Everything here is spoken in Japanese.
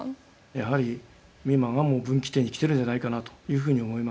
やはり今がもう分岐点に来てるんじゃないかなというふうに思います。